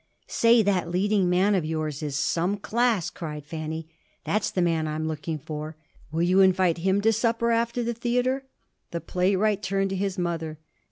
"Say, that leading man of yours he's some class," cried Fanny. "That's the man I'm looking for. Will you invite him to supper after the theater?" The playwright turned to his mother.